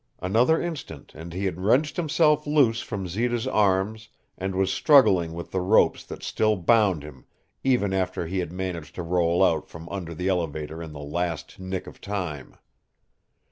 Another instant and he had wrenched himself loose from Zita's arms and was struggling with the ropes that still bound him even after he had managed to roll out from under the elevator in the last nick of time.